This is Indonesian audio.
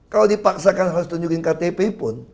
kalau dipaksakan harus tunjukin ktp pun